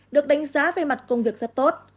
được đánh giá về mặt công việc rất tốt